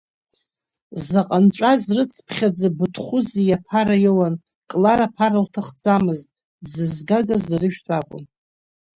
Заҟа нҵәаз рыцыԥхьаӡа Буҭхузи аԥара иоуан, Клара аԥара лҭахӡамызт, дзызгагаз арыжәтә акәын…